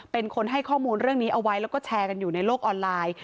เป็นคนให้ข้อมูลเรื่องนี้เอาไว้แล้วก็แชร์กันอยู่ในโลกออนไลน์